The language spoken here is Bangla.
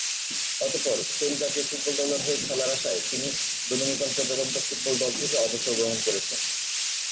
অতঃপর স্পেন জাতীয় ফুটবল দলের হয়ে খেলার আশায় তিনি ডোমিনিকান প্রজাতন্ত্র ফুটবল দল থেকে অবসর গ্রহণ করেছেন।